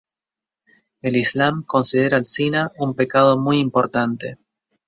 El islam considera al zina un pecado muy importante.